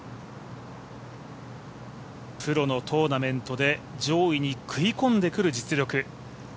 プロのトーナメントで上位に食い込んでくる実力。